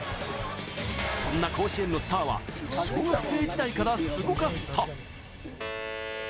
そんな甲子園のスターは、小学生時代からすごかった。